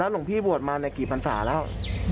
แล้วหลวงพี่บวชมาในกี่ภาษาแล้ว